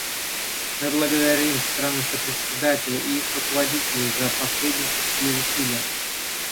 Мы благодарим страны-сопредседатели и их руководителей за посреднические усилия.